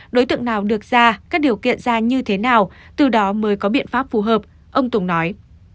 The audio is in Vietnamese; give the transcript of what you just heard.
đối tượng nào được ra các điều kiện ra như thế nào từ đó mới có biện pháp phù hợp ông tùng nói